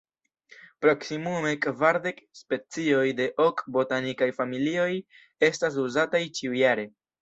Proksimume kvardek specioj de ok botanikaj familioj estas uzataj ĉiujare.